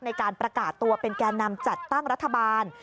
ในการประกาศตัวเป็นแก่นำจัดตั้งรัฐบาล